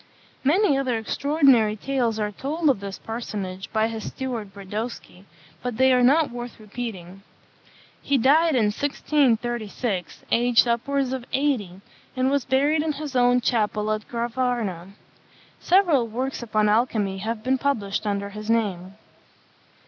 Many other extraordinary tales are told of this personage by his steward Brodowski, but they are not worth repeating. He died in 1636, aged upwards of eighty, and was buried in his own chapel at Gravarna. Several works upon alchymy have been published under his name.